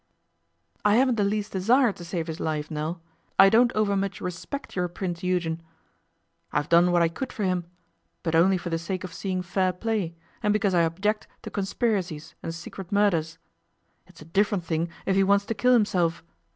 'I haven't the least desire to save his life, Nell. I don't overmuch respect your Prince Eugen. I've done what I could for him but only for the sake of seeing fair play, and because I object to conspiracies and secret murders. It's a different thing if he wants to kill himself.